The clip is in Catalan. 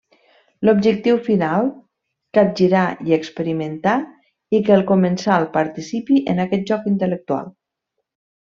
L'objectiu final: capgirar i experimentar i que el comensal participi en aquest joc intel·lectual.